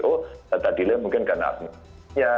oh data delay mungkin karena afno